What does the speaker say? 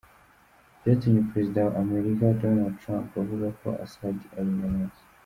Byatumye Perezida wa Amerika, Donald Trump, avuga ko Assad ari inyamaswa.